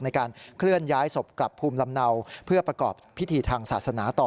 ในการเคลื่อนย้ายศพกลับภูมิลำเนาเพื่อประกอบพิธีทางศาสนาต่อ